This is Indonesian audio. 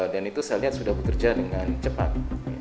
dan itu saya lihat sudah bekerja dengan cepat